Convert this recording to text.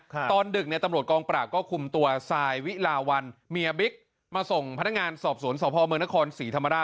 ตอนดึกเนี่ยตำรวจกองปราบก็คุมตัวทรายวิลาวันเมียบิ๊กมาส่งพนักงานสอบสวนสพเมืองนครศรีธรรมราช